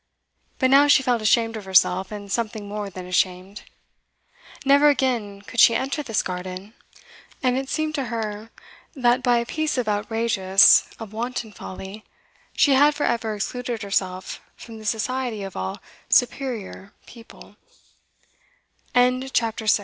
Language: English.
But now she felt ashamed of herself, and something more than ashamed. Never again could she enter this garden. And it seemed to her that, by a piece of outrageous, of wanton, folly, she had for ever excluded herself from the society of all 'superior' people.